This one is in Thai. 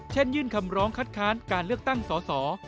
ยื่นคำร้องคัดค้านการเลือกตั้งสอสอ